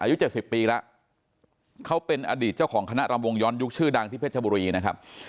อายุ๗๐ปีแล้วเขาเป็นอดีตเจ้าของคณะรำวงย้อนยุคชื่อดังที่เพชรบุรีนะครับ